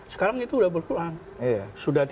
sekarang itu sudah berkurang